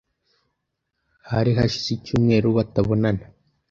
Hari hashize icyumweru batabonana.